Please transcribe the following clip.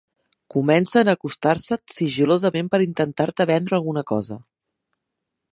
Comencen a acostar-se't sigil·losament per intentar-te vendre alguna cosa.